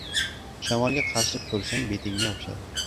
• Shamolga qarshi tupursang, betingga yopishadi.